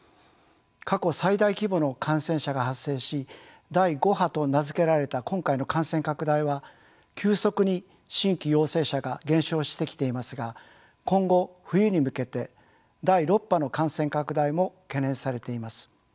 過去最大規模の感染者が発生し第５波と名付けられた今回の感染拡大は急速に新規陽性者が減少してきていますが今後冬に向けて第６波の感染拡大も懸念されています。